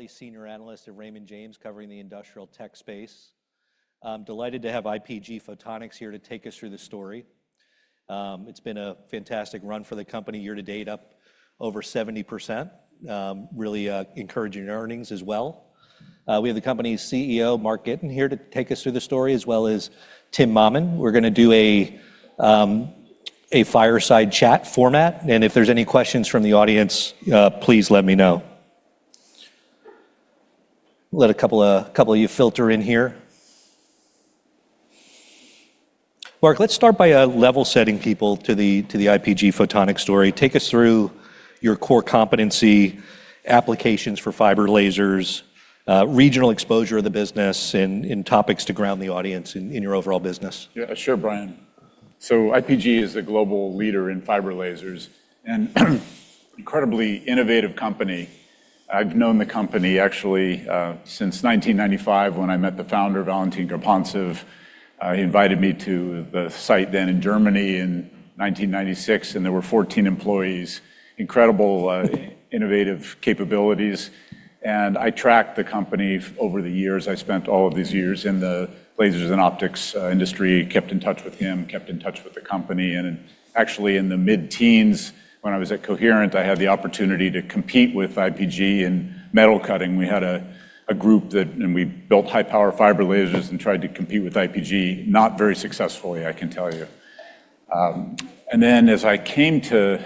Wally, Senior Analyst at Raymond James, covering the industrial tech space. I'm delighted to have IPG Photonics here to take us through the story. It's been a fantastic run for the company year to date, up over 70%. Really, encouraging earnings as well. We have the company's CEO, Mark Gitin, here to take us through the story, as well as Tim Mammen. We're gonna do a fireside chat format, and if there's any questions from the audience, please let me know. We'll let a couple of you filter in here. Mark, let's start by level-setting people to the IPG Photonics story. Take us through your core competency applications for fiber lasers, regional exposure of the business, and topics to ground the audience in your overall business. Yeah. Sure, Brian. IPG is a global leader in fiber lasers and incredibly innovative company. I've known the company actually since 1995 when I met the founder, Valentin Gapontsev. He invited me to the site then in Germany in 1996, there were 14 employees. Incredible, innovative capabilities. I tracked the company over the years. I spent all of these years in the lasers and optics industry. Kept in touch with him, kept in touch with the company. Actually in the mid-teens, when I was at Coherent, I had the opportunity to compete with IPG in metal cutting. We had a group we built high-power fiber lasers and tried to compete with IPG, not very successfully, I can tell you. As I came to,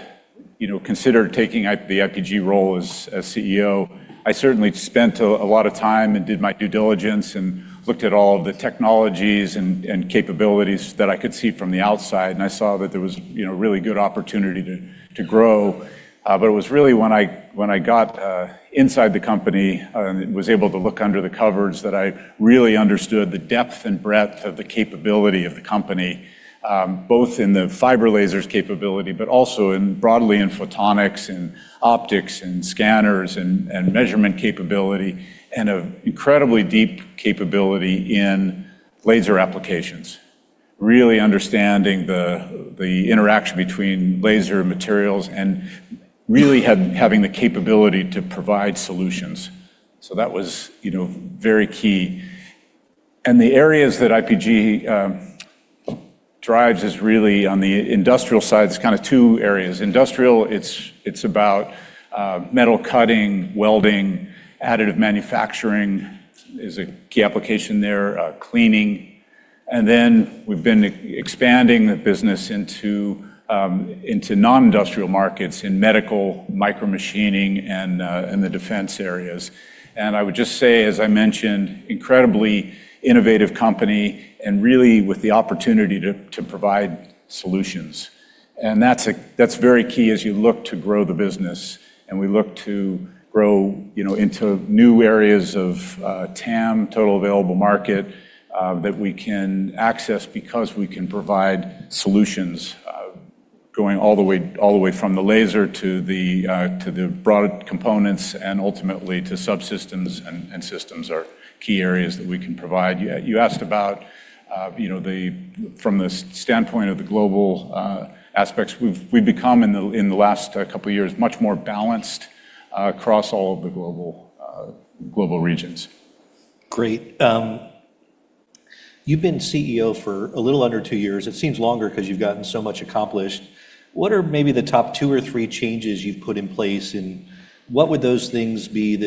you know, consider taking the IPG role as CEO, I certainly spent a lot of time and did my due diligence and looked at all the technologies and capabilities that I could see from the outside, and I saw that there was, you know, really good opportunity to grow. It was really when I got inside the company and was able to look under the covers that I really understood the depth and breadth of the capability of the company, both in the fiber lasers capability, but also in, broadly in photonics and optics and scanners and measurement capability and an incredibly deep capability in laser applications. Really understanding the interaction between laser materials and really having the capability to provide solutions. That was, you know, very key. The areas that IPG drives is really on the industrial side. It's kind of two areas. Industrial, it's about metal cutting, welding, additive manufacturing is a key application there, cleaning. Then we've been expanding the business into non-industrial markets in medical, micromachining, and in the defense areas. I would just say, as I mentioned, incredibly innovative company and really with the opportunity to provide solutions. That's very key as you look to grow the business, and we look to grow, you know, into new areas of TAM, total available market, that we can access because we can provide solutions, going all the way from the laser to the broad components and ultimately to subsystems and systems are key areas that we can provide. You asked about, you know, from the standpoint of the global aspects. We've become in the last couple of years, much more balanced across all of the global regions. Great. You've been CEO for a little under two years. It seems longer because you've gotten so much accomplished. What are maybe the top two or three changes you've put in place, and what would those things be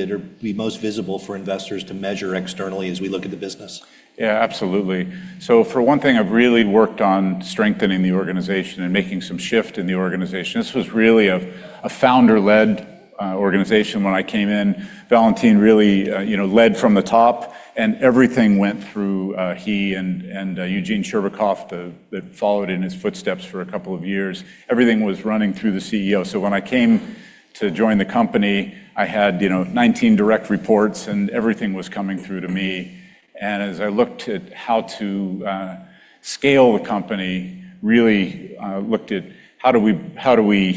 most visible for investors to measure externally as we look at the business? Yeah, absolutely. For one thing, I've really worked on strengthening the organization and making some shift in the organization. This was really a founder-led organization when I came in. Valentin really, you know, led from the top, and everything went through he and Eugene Scherbakov that followed in his footsteps for a couple of years. Everything was running through the CEO. When I came to join the company, I had, you know, 19 direct reports, and everything was coming through to me. As I looked at how to scale the company, really looked at how do we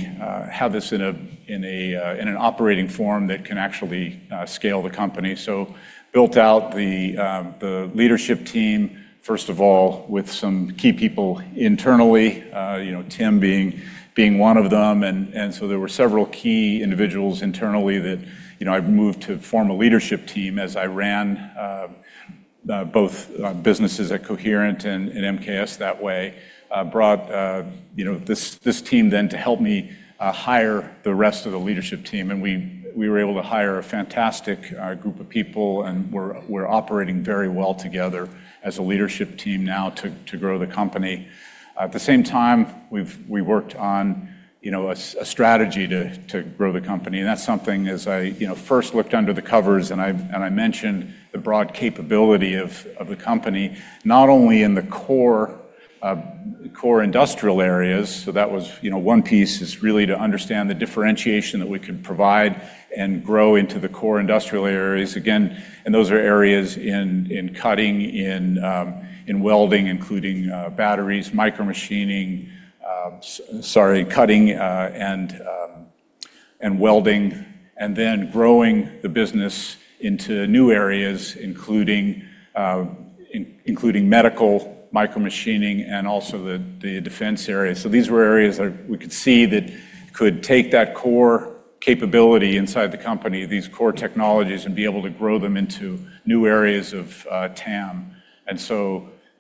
have this in an operating form that can actually scale the company? Built out the leadership team, first of all, with some key people internally, you know, Tim being one of them. There were several key individuals internally that, you know, I've moved to form a leadership team as I ran both businesses at Coherent and MKS that way. Brought, you know, this team then to help me hire the rest of the leadership team. We were able to hire a fantastic group of people, and we're operating very well together as a leadership team now to grow the company. At the same time, we worked on, you know, a strategy to grow the company. That's something as I, you know, first looked under the covers, and I mentioned the broad capability of the company, not only in the core industrial areas. That was, you know, one piece is really to understand the differentiation that we could provide and grow into the core industrial areas. Again, those are areas in cutting, in welding, including batteries, micromachining, sorry, cutting, and welding, and then growing the business into new areas, including medical, micromachining, and also the defense area. These were areas that we could see that could take that core capability inside the company, these core technologies, and be able to grow them into new areas of TAM.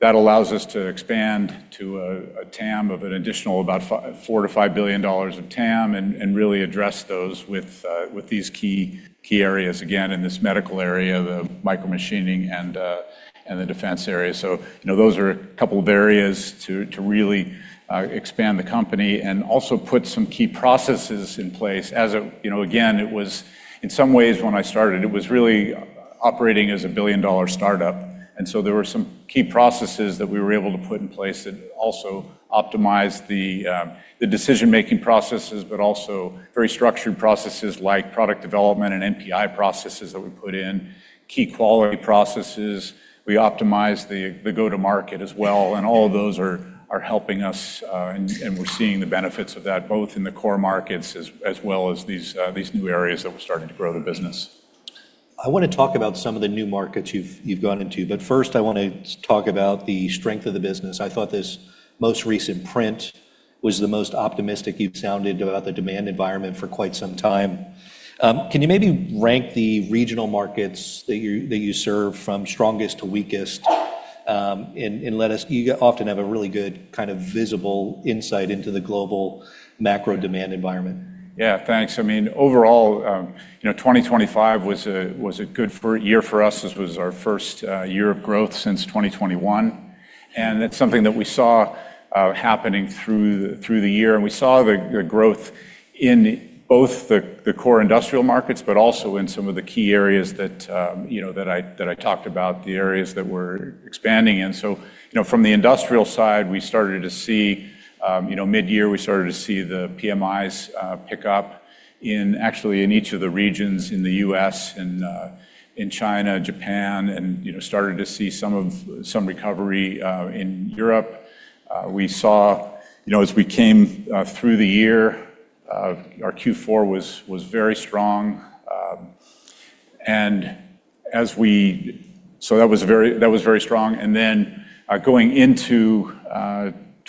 That allows us to expand to a TAM of an additional about $4 billion-$5 billion of TAM and really address those with these key areas, again, in this medical area, the micromachining and the defense area. You know, those are a couple of areas to really expand the company and also put some key processes in place as, you know, again, it was in some ways when I started, it was really operating as a $1 billion startup. There were some key processes that we were able to put in place that also optimized the decision-making processes, but also very structured processes like product development and NPI processes that we put in, key quality processes. We optimized the go-to-market as well. All of those are helping us. We're seeing the benefits of that, both in the core markets as well as these new areas that we're starting to grow the business. I wanna talk about some of the new markets you've gone into, but first I wanna talk about the strength of the business. I thought this most recent print was the most optimistic you've sounded about the demand environment for quite some time. Can you maybe rank the regional markets that you serve from strongest to weakest? You often have a really good kind of visible insight into the global macro demand environment. Yeah. Thanks. I mean, overall, you know, 2025 was a good year for us. This was our first year of growth since 2021, that's something that we saw happening through the year. We saw the growth in both the core industrial markets, but also in some of the key areas that, you know, that I talked about, the areas that we're expanding in. You know, from the industrial side, we started to see, you know, midyear, we started to see the PMIs pick up actually in each of the regions in the U.S., in China, Japan, and, you know, started to see some recovery in Europe. We saw, you know, as we came through the year, our Q4 was very strong. That was very strong. Going into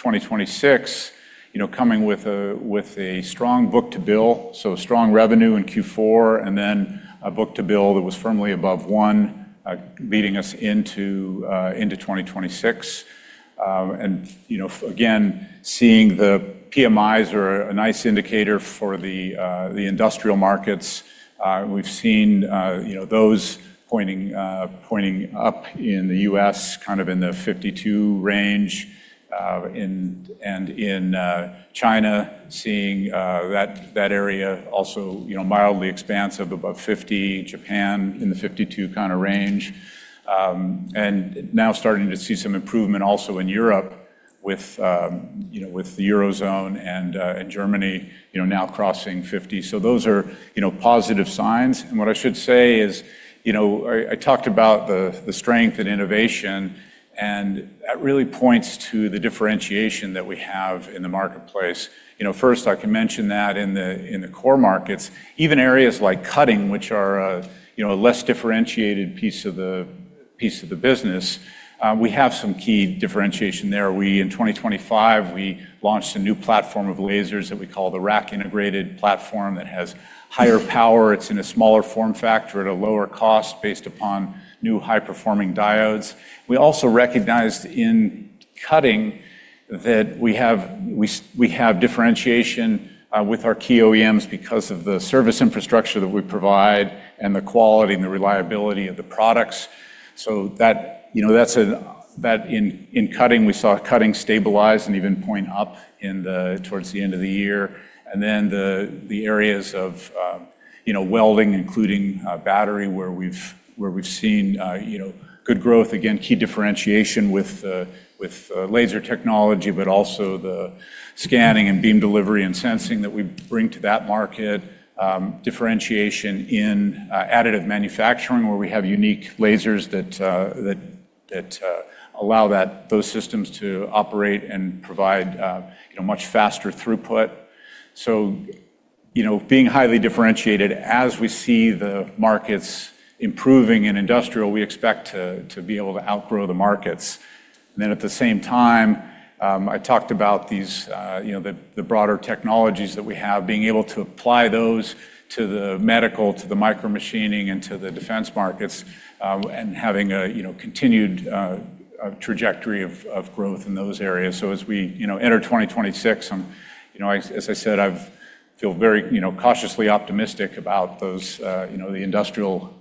2026, you know, coming with a strong book-to-bill, so strong revenue in Q4 and then a book-to-bill that was firmly above one, leading us into 2026. You know, again, seeing the PMIs are a nice indicator for the industrial markets. We've seen, you know, those pointing up in the U.S., kind of in the 52 range, and in China, seeing that area also, you know, mildly expansive, above 50, Japan in the 52 kind of range. Now starting to see some improvement also in Europe with, you know, with the Eurozone and Germany, you know, now crossing 50. Those are, you know, positive signs. What I should say is, you know, I talked about the strength and innovation, and that really points to the differentiation that we have in the marketplace. First, I can mention that in the, in the core markets, even areas like cutting, which are, you know, a less differentiated piece of the business, we have some key differentiation there. In 2025, we launched a new platform of lasers that we call the rack-integrated platform that has higher power. It's in a smaller form factor at a lower cost based upon new high-performing diodes. We also recognized in cutting that we have differentiation with our key OEMs because of the service infrastructure that we provide and the quality and the reliability of the products. That, you know, that's in cutting, we saw cutting stabilize and even point up towards the end of the year. Then the areas of, you know, welding, including battery, where we've seen, you know, good growth, again, key differentiation with laser technology, but also the scanning and beam delivery and sensing that we bring to that market. Differentiation in additive manufacturing, where we have unique lasers that, allow those systems to operate and provide, you know, much faster throughput. You know, being highly differentiated as we see the markets improving in industrial, we expect to be able to outgrow the markets. At the same time, I talked about these, you know, the broader technologies that we have, being able to apply those to the medical, to the micromachining, and to the defense markets, and having a, you know, continued trajectory of growth in those areas. As we, you know, enter 2026, I'm, you know, as I said, I feel very, you know, cautiously optimistic about those, you know, the industrial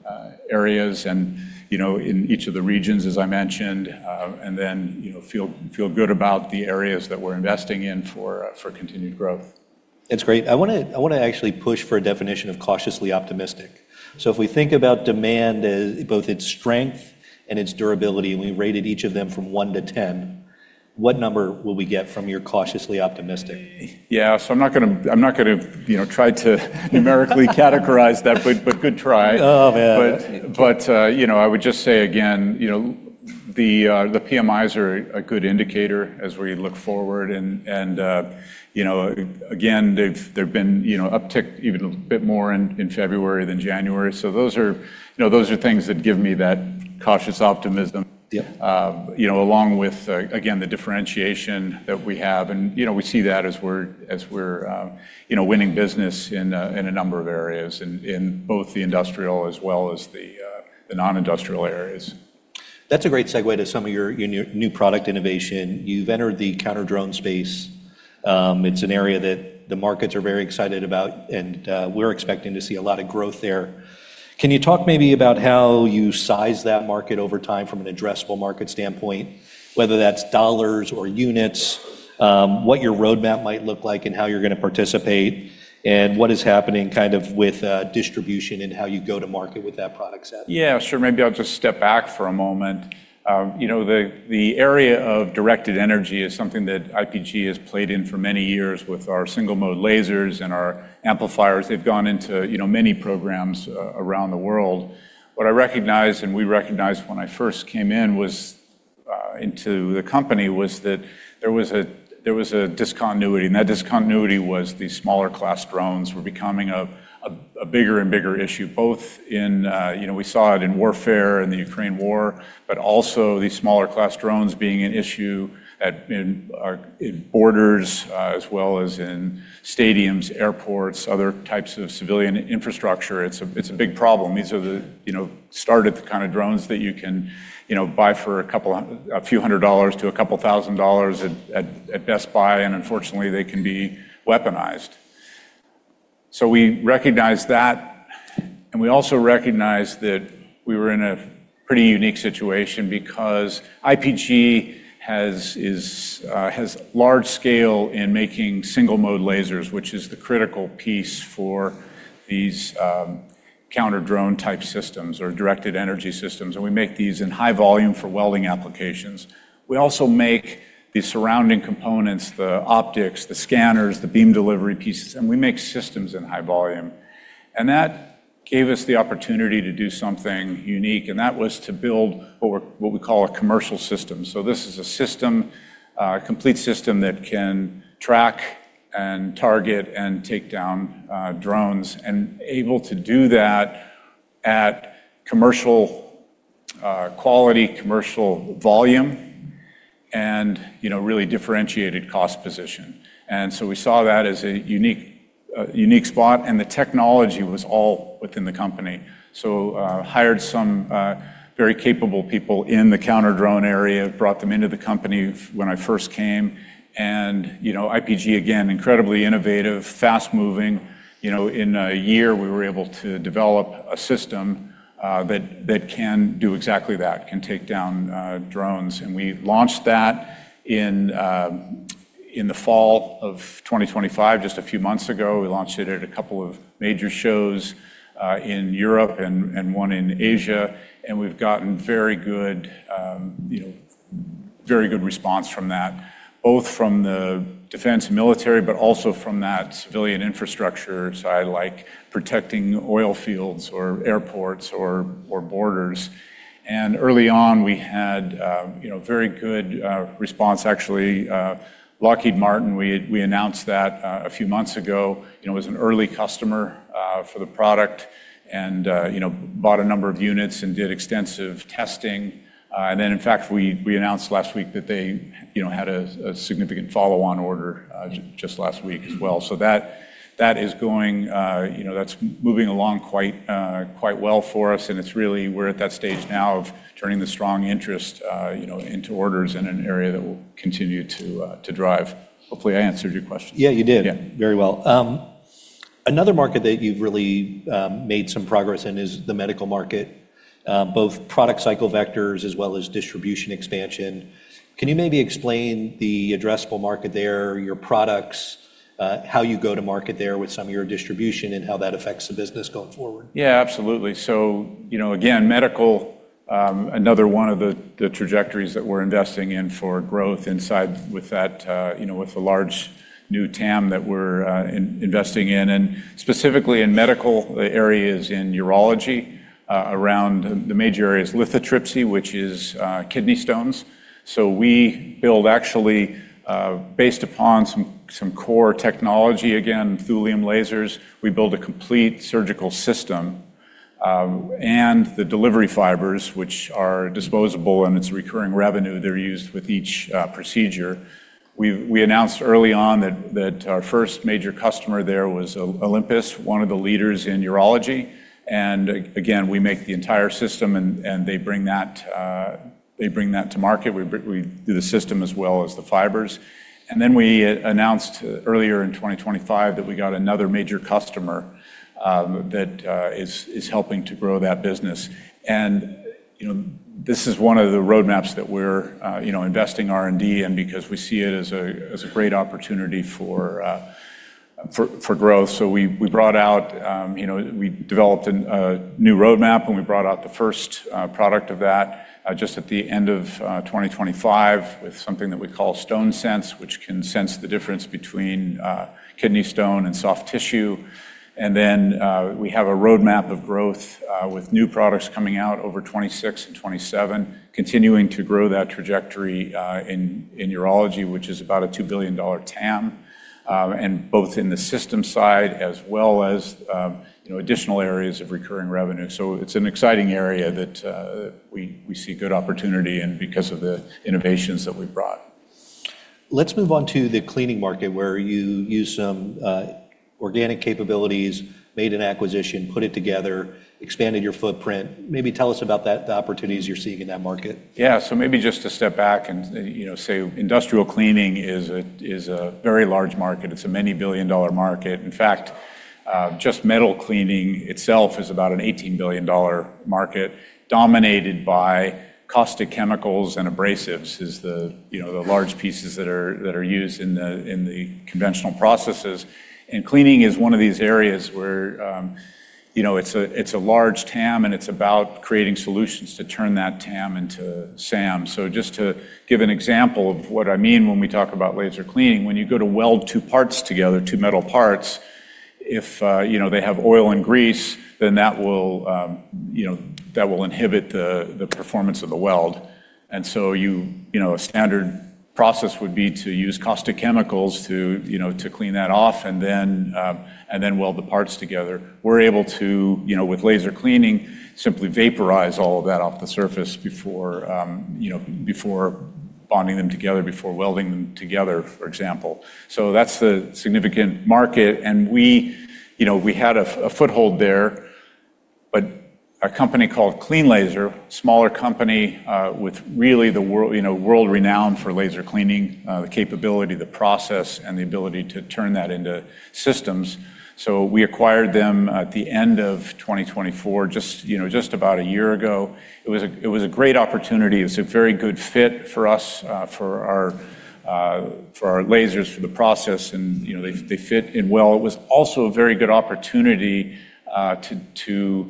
areas and, you know, in each of the regions, as I mentioned, and then, you know, feel good about the areas that we're investing in for continued growth. That's great. I wanna actually push for a definition of cautiously optimistic. If we think about demand as both its strength and its durability, and we rated each of them from one to 10, what number will we get from your cautiously optimistic? Yeah. I'm not gonna, you know, try to numerically categorize that, but good try. Oh, man. you know, I would just say again, you know, the PMIs are a good indicator as we look forward and, you know, again, they've been, you know, uptick even a bit more in February than January. those are, you know, those are things that give me that cautious optimism. Yeah you know, along with, again, the differentiation that we have and, you know, we see that as we're, you know, winning business in a number of areas in both the industrial as well as the non-industrial areas. That's a great segue to some of your new product innovation. You've entered the counter-drone space. It's an area that the markets are very excited about, and we're expecting to see a lot of growth there. Can you talk maybe about how you size that market over time from an addressable market standpoint, whether that's dollars or units, what your roadmap might look like and how you're gonna participate, and what is happening kind of with distribution and how you go to market with that product set? Yeah, sure. Maybe I'll just step back for a moment. You know, the area of directed energy is something that IPG has played in for many years with our single-mode lasers and our amplifiers. They've gone into, you know, many programs around the world. What I recognized, and we recognized when I first came in, was into the company, was that there was a discontinuity, and that discontinuity was these smaller class drones were becoming a bigger and bigger issue, both in, you know, we saw it in warfare and the Ukraine war, but also these smaller class drones being an issue at in our borders, as well as in stadiums, airports, other types of civilian infrastructure. It's a big problem. These are the, you know, start at the kind of drones that you can, you know, buy for a few hundred dollars to a couple $1,000 at Best Buy. Unfortunately, they can be weaponized. We recognized that, and we also recognized that we were in a pretty unique situation because IPG has large scale in making single-mode lasers, which is the critical piece for these counter-drone type systems or directed energy systems, and we make these in high volume for welding applications. We also make the surrounding components, the optics, the scanners, the beam delivery pieces, and we make systems in high volume. That gave us the opportunity to do something unique, and that was to build what we call a commercial system. This is a system, complete system that can track and target and take down drones and able to do that at commercial quality, commercial volume and, you know, really differentiated cost position. We saw that as a unique unique spot, and the technology was all within the company. Hired some very capable people in the counter-drone area, brought them into the company when I first came. You know, IPG, again, incredibly innovative, fast-moving. You know, in a year, we were able to develop a system that can do exactly that, can take down drones. We launched that in the fall of 2025, just a few months ago. We launched it at a couple of major shows in Europe and one in Asia. We've gotten very good, you know, very good response from that, both from the defense military, but also from that civilian infrastructure side, like protecting oil fields or airports or borders. Early on, we had, you know, very good response. Actually, Lockheed Martin, we announced that a few months ago, you know, as an early customer for the product and, you know, bought a number of units and did extensive testing. In fact, we announced last week that they, you know, had a significant follow-on order just last week as well. That is going, you know, that's moving along quite well for us, and it's really we're at that stage now of turning the strong interest, you know, into orders in an area that will continue to drive. Hopefully, I answered your question. Yeah, you did. Yeah. Very well. Another market that you've really made some progress in is the medical market, both product cycle vectors as well as distribution expansion. Can you maybe explain the addressable market there, your products, how you go to market there with some of your distribution, and how that affects the business going forward? Yeah, absolutely. You know, again, medical, another one of the trajectories that we're investing in for growth inside with that, you know, with the large new TAM that we're investing in, and specifically in medical, the areas in urology, around the major areas lithotripsy, which is kidney stones. We build actually, based upon some core technology, again, thulium lasers. We build a complete surgical system, and the delivery fibers, which are disposable and it's recurring revenue, they're used with each procedure. We announced early on that our first major customer there was Olympus, one of the leaders in urology. Again, we make the entire system, and they bring that to market. We do the system as well as the fibers. We announced earlier in 2025 that we got another major customer that is helping to grow that business. You know, this is one of the roadmaps that we're, you know, investing R&D in because we see it as a great opportunity for growth. We brought out, you know, we developed a new roadmap, and we brought out the first product of that just at the end of 2025 with something that we call StoneSense, which can sense the difference between kidney stone and soft tissue. Then we have a roadmap of growth with new products coming out over 2026-2027, continuing to grow that trajectory in urology, which is about a $2 billion TAM, and both in the system side as well as, you know, additional areas of recurring revenue. It's an exciting area that we see good opportunity and because of the innovations that we've brought. Let's move on to the cleaning market where you used some, organic capabilities, made an acquisition, put it together, expanded your footprint. Maybe tell us about that, the opportunities you're seeing in that market. Maybe just to step back and, you know, say industrial cleaning is a very large market. It's a many billion-dollar market. In fact, just metal cleaning itself is about an $18 billion market dominated by caustic chemicals and abrasives is the, you know, the large pieces that are used in the conventional processes. Cleaning is one of these areas where, you know, it's a large TAM, and it's about creating solutions to turn that TAM into SAM. Just to give an example of what I mean when we talk about laser cleaning, when you go to weld two parts together, two metal parts, if, you know, they have oil and grease, then that will, you know, that will inhibit the performance of the weld. You know, a standard process would be to use caustic chemicals to, you know, to clean that off and then weld the parts together. We're able to, you know, with laser cleaning, simply vaporize all of that off the surface before, you know, before bonding them together, before welding them together, for example. That's the significant market. We, you know, we had a foothold there, but a company called cleanLASER, smaller company, with really the world, you know, world-renowned for laser cleaning, the capability, the process, and the ability to turn that into systems. We acquired them at the end of 2024, just, you know, just about a year ago. It was a great opportunity. It's a very good fit for us, for our, for our lasers, for the process, and, you know, they fit in well. It was also a very good opportunity to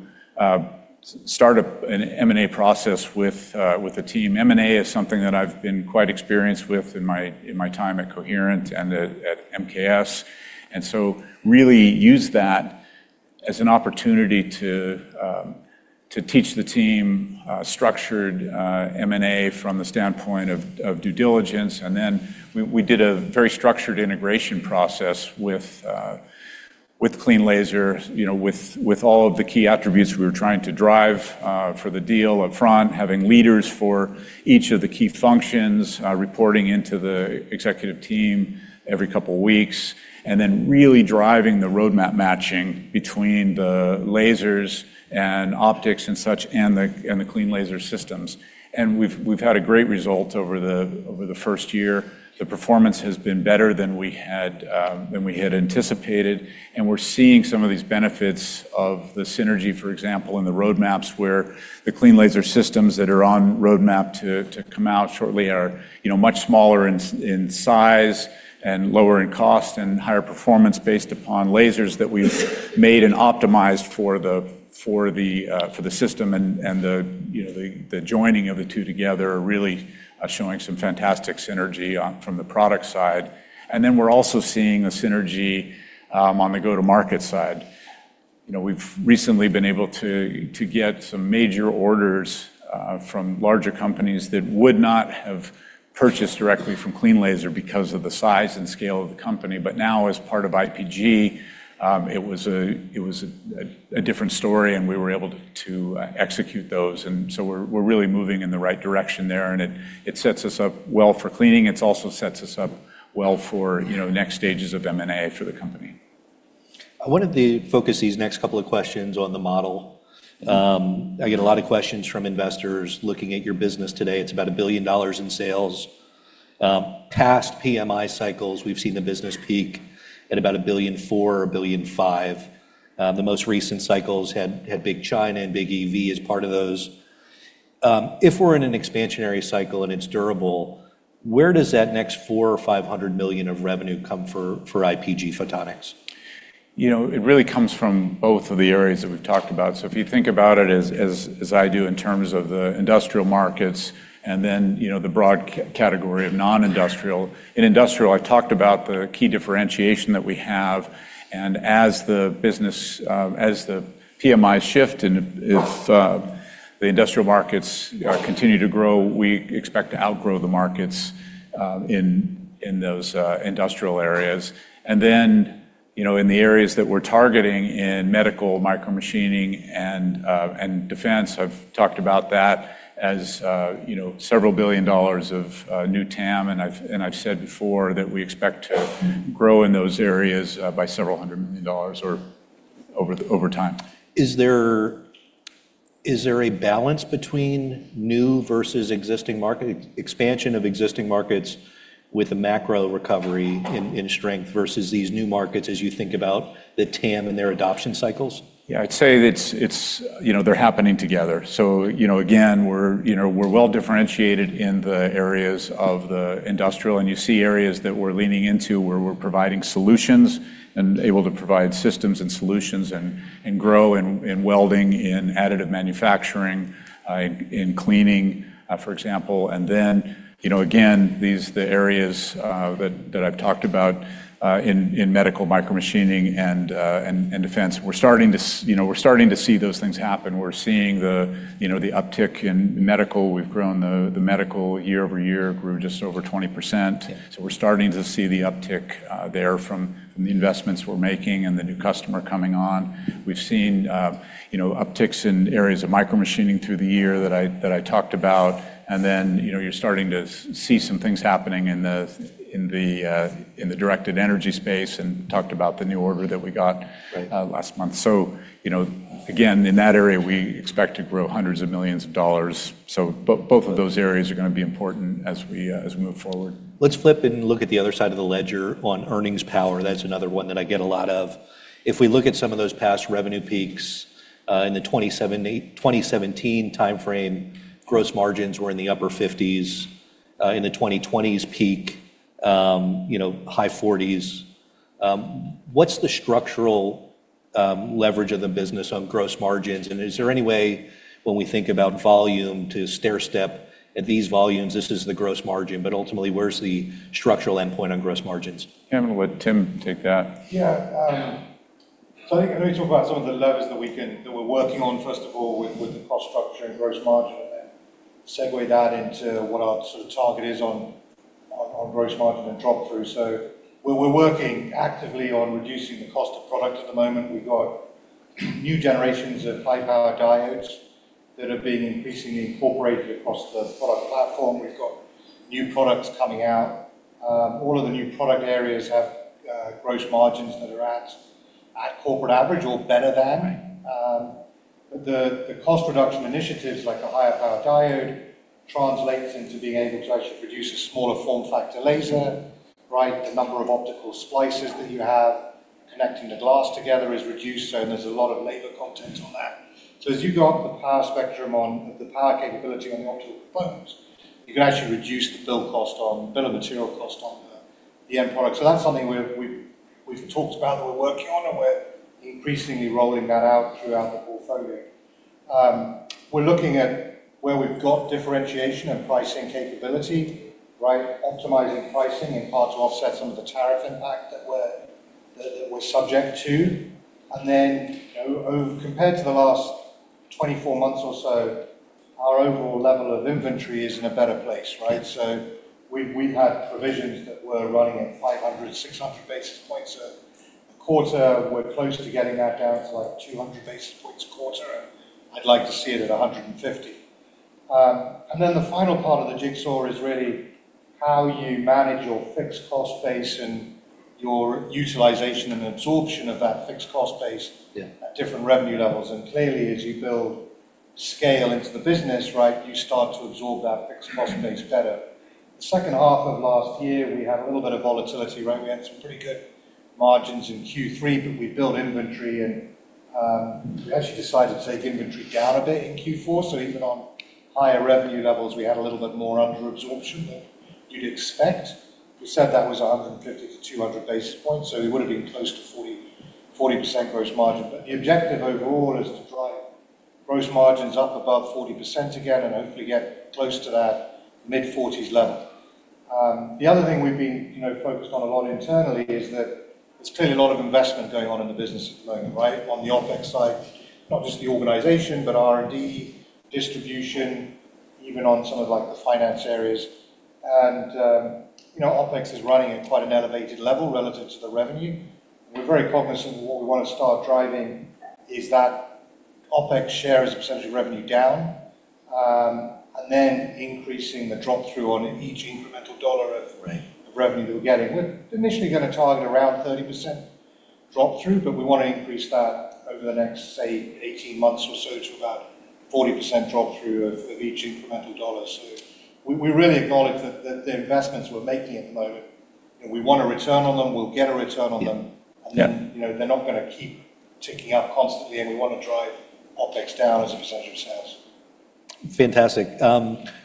start up an M&A process with the team. M&A is something that I've been quite experienced with in my time at Coherent and at MKS. Really used that as an opportunity to teach the team structured M&A from the standpoint of due diligence. Then we did a very structured integration process with cleanLASER, you know, with all of the key attributes we were trying to drive, for the deal up front, having leaders for each of the key functions, reporting into the executive team every couple of weeks, and then really driving the roadmap matching between the lasers and optics and such, and the cleanLASER systems. We've had a great result over the first year. The performance has been better than we had, than we had anticipated, and we're seeing some of these benefits of the synergy, for example, in the roadmaps where the cleanLASER systems that are on roadmap to come out shortly are, you know, much smaller in size and lower in cost and higher performance based upon lasers that we've made and optimized for the, for the, for the system and the, you know, the joining of the two together are really, showing some fantastic synergy from the product side. Then we're also seeing a synergy, on the go-to-market side. You know, we've recently been able to get some major orders, from larger companies that would not have purchased directly from cleanLASER because of the size and scale of the company. Now, as part of IPG, it was a different story, and we were able to execute those. We're really moving in the right direction there, and it sets us up well for cleaning. It's also sets us up well for, you know, next stages of M&A for the company. I wanted to focus these next couple of questions on the model. I get a lot of questions from investors looking at your business today. It's about $1 billion in sales. Past PMI cycles, we've seen the business peak at about $1.4 billion-$1.5 billion. The most recent cycles had big China and big EV as part of those. If we're in an expansionary cycle and it's durable, where does that next $400 million or $500 million of revenue come for IPG Photonics? You know, it really comes from both of the areas that we've talked about. If you think about it as I do in terms of the industrial markets and then, you know, the broad category of non-industrial. In industrial, I've talked about the key differentiation that we have, and as the business, as the PMIs shift and if the industrial markets continue to grow, we expect to outgrow the markets in those industrial areas. You know, in the areas that we're targeting in medical, micromachining, and defense, I've talked about that as, you know, several billion dollars of new TAM. I've said before that we expect to grow in those areas by several hundred million dollars or over time. Is there a balance between new versus existing market expansion of existing markets with a macro recovery in strength versus these new markets as you think about the TAM and their adoption cycles? Yeah. I'd say it's, you know, they're happening together. You know, again, we're, you know, we're well differentiated in the areas of the industrial, and you see areas that we're leaning into where we're providing solutions and able to provide systems and solutions and grow in welding, in additive manufacturing, in cleaning, for example. You know, again, the areas that I've talked about in medical micromachining and defense, we're starting to, you know, we're starting to see those things happen. We're seeing, you know, the uptick in medical. We've grown the medical year-over-year, grew just over 20%. Yeah. We're starting to see the uptick there from the investments we're making and the new customer coming on. We've seen, you know, upticks in areas of micromachining through the year that I talked about. Then, you know, you're starting to see some things happening in the directed energy space and talked about the new order that we got. Right last month. You know, again, in that area, we expect to grow hundreds of millions of dollars. Both of those areas are gonna be important as we move forward. Let's flip and look at the other side of the ledger on earnings power. That's another one that I get a lot of. If we look at some of those past revenue peaks. In the 2017 timeframe, gross margins were in the upper 50s. In the 2020s peak, you know, high 40s. What's the structural leverage of the business on gross margins? Is there any way when we think about volume to stairstep at these volumes, this is the gross margin, but ultimately, where's the structural endpoint on gross margins? Kevin, would Tim take that? Yeah. I think when we talk about some of the levers that we're working on, first of all, with the cost structure and gross margin, segue that into what our sort of target is on gross margin and drop-through. We're working actively on reducing the cost of product at the moment. We've got new generations of high-power diodes that have been increasingly incorporated across the product platform. We've got new products coming out. All of the new product areas have gross margins that are at corporate average or better than. The cost reduction initiatives like the high-power diode translates into being able to actually produce a smaller form factor laser, right? The number of optical splices that you have connecting the glass together is reduced. There's a lot of labor content on that. As you go up the power spectrum on the power capability on the optical components, you can actually reduce the bill of material cost on the end product. That's something we've talked about that we're working on. We're increasingly rolling that out throughout the portfolio. We're looking at where we've got differentiation and pricing capability, right? Optimizing pricing in part to offset some of the tariff impact that we're subject to. You know, compared to the last 24 months or so, our overall level of inventory is in a better place, right? We've had provisions that were running at 500, 600 basis points a quarter. We're close to getting that down to, like, 200 basis points quarter. I'd like to see it at 150. The final part of the jigsaw is really how you manage your fixed cost base and your utilization and absorption of that fixed cost base. Yeah. At different revenue levels. As you build scale into the business, right, you start to absorb that fixed cost base better. Second half of last year, we had a little bit of volatility, right? We had some pretty good margins in Q3, but we built inventory and we actually decided to take inventory down a bit in Q4. Even on higher revenue levels, we had a little bit more under absorption than you'd expect. We said that was 150-200 basis points, so it would've been close to 40% gross margin. The objective overall is to drive gross margins up above 40% again and hopefully get close to that mid-40s level. The other thing we've been, you know, focused on a lot internally is that there's clearly a lot of investment going on in the business at the moment, right? On the OpEx side, not just the organization, but R&D, distribution, even on some of, like, the finance areas. OpEx is running at quite an elevated level relative to the revenue. We're very cognizant of what we wanna start driving is that OpEx share as a percentage of revenue down, and then increasing the drop-through on each incremental dollar. Right. of revenue that we're getting. We're initially gonna target around 30% drop-through. We wanna increase that over the next, say, 18 months or so to about 40% drop-through of each incremental dollar. We really acknowledge that the investments we're making at the moment, you know, we want a return on them. We'll get a return on them. Yeah. Then, you know, they're not gonna keep ticking up constantly, and we wanna drive OpEx down as a percentage of sales. Fantastic.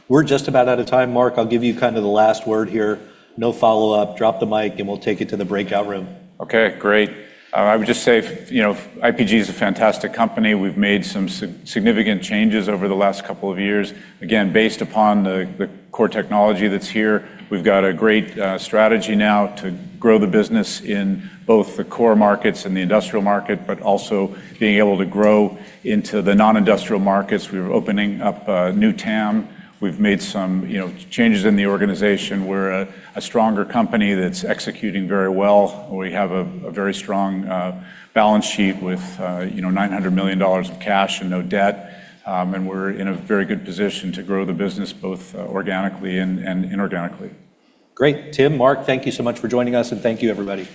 We're just about out of time. Mark, I'll give you kind of the last word here. No follow-up. Drop the mic, and we'll take it to the breakout room. Okay. Great. I would just say, you know, IPG is a fantastic company. We've made some significant changes over the last couple of years. Based upon the core technology that's here, we've got a great strategy now to grow the business in both the core markets and the industrial market, but also being able to grow into the non-industrial markets. We're opening up a new TAM. We've made some, you know, changes in the organization. We're a stronger company that's executing very well. We have a very strong balance sheet with, you know, $900 million of cash and no debt. We're in a very good position to grow the business both organically and inorganically. Great. Tim, Mark, thank you so much for joining us, and thank you, everybody.